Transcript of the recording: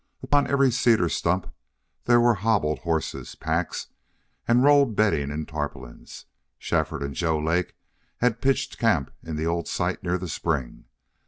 Under every cedar clump there were hobbled horses, packs, and rolled bedding in tarpaulins. Shefford and Joe Lake had pitched camp in the old site near the spring.